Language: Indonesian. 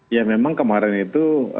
ya memang kemarin itu